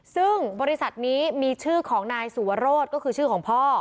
ซึ่งบริษัทนี้มีชื่อของนายสุวรสก็คือชื่อของพ่อ